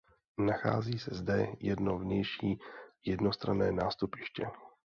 Nachází se zde jedno vnější jednostranné nástupiště.